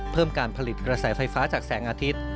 เพิ่มการผลิตกระแสไฟฟ้าจากแสงอาทิตย์